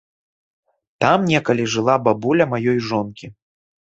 Там некалі жыла бабуля маёй жонкі.